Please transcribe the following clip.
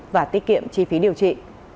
và tiết kiệm chi phí điều trị